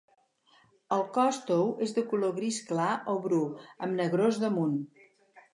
El cos tou és de color gris clar o bru, amb negrós damunt.